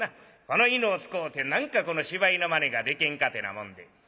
「この犬を使うて何か芝居のまねがでけんか」ってなもんで。